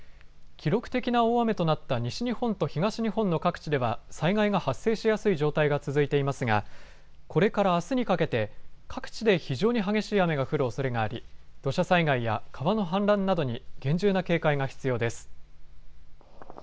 記録的な大雨となった西日本と東日本の各地では災害が発生しやすい状態が続いていますがこれからあすにかけて各地で非常に激しい雨が降るおそれがあり土砂災害や川の氾濫などに厳重な警戒が必要です。